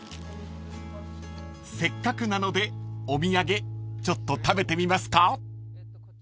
［せっかくなのでお土産ちょっと食べてみますか］